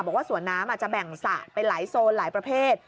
บอกว่าสวนน้ำอาจจะแบ่งสระไปหลายโซนหลายประเภท